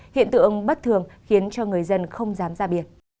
hiện tượng bất thường khiến cho người dân không dám ra bia